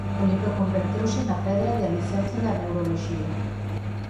O libro converteuse na pedra de alicerce da neuroloxía.